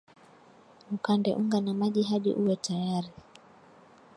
ukande unga na maji hadi uwe tayari